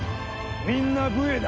みんな武衛だ。